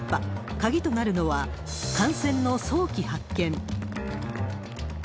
鍵となるのは感染の早期発見。